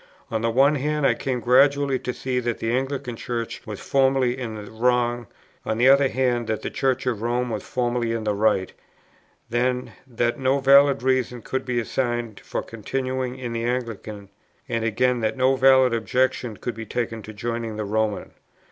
On the one hand I came gradually to see that the Anglican Church was formally in the wrong, on the other that the Church of Rome was formally in the right; then, that no valid reasons could be assigned for continuing in the Anglican, and again that no valid objections could be taken to joining the Roman.